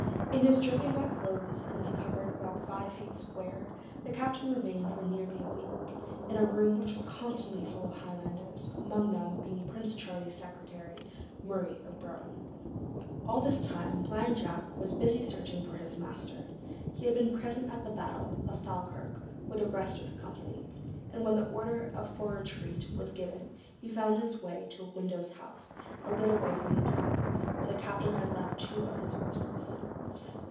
In his dripping wet clothes and in this cupboard about five feet square, the captain remained for nearly a week, in a room which was constantly full of Highlanders, among them being Prince Charlie's secretary, Murray of Broughton. All this time Blind Jack was busy searching for his master. He had been present at the battle of Falkirk with the rest of the company, and when the order for retreat was given he found his way to a widow's house a little way from the town, where the captain had left two of his horses.